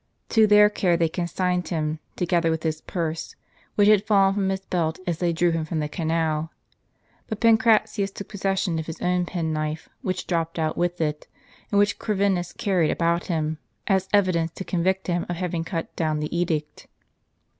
To their care they consigned him, together with his purse, which had fallen from his belt as they drew him from the canal. But Pancra tius took possession of his own pen knife, which dropped out with it, and which Corvinus carried about him, as evidence to convict him of having cut down the edict.